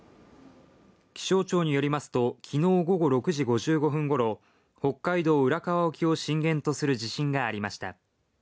気象庁によりますと、昨日午後６時５５分ごろ北海道浦河沖を震源とする地震がありました。